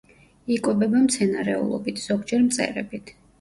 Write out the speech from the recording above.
იკვებება მცენარეულობით, ზოგჯერ მწერებით.